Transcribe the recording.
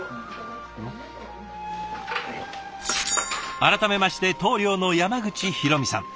改めまして棟梁の山口宏己さん。